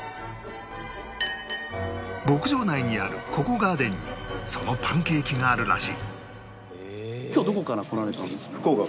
牧場内にあるココガーデンにそのパンケーキがあるらしい福岡？